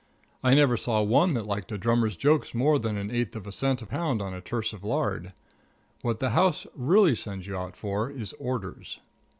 I never saw one that liked a drummer's jokes more than an eighth of a cent a pound on a tierce of lard. What the house really sends you out for is orders.